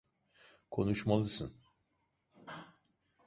Konuşmalısın…